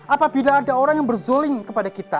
apabila ada orang yang berzoling kepada kita